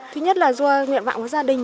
thứ nhất là do nguyện vọng của gia đình